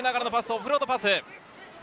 オフロードパス。